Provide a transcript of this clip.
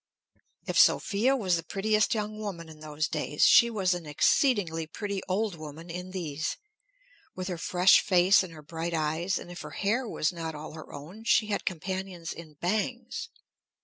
If Sophia was the prettiest young woman in those days, she was an exceedingly pretty old woman in these, with her fresh face and her bright eyes, and if her hair was not all her own, she had companions in bangs.